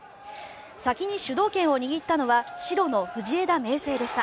先に主導権を握ったのは白の藤枝明誠でした。